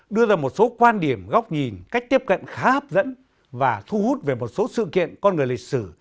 đưa ra một số quan điểm góc nhìn cách tiếp cận khá hấp dẫn và thu hút về một số sự kiện con người lịch sử